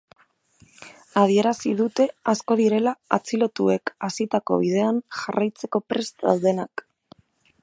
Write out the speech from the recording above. Adierazi dute asko direla atxilotuek hasitako bidean jarraitzeko prest daudenak.